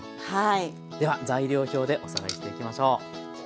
では材料表でおさらいしていきましょう。